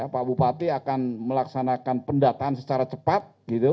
pak bupati akan melaksanakan pendataan secara cepat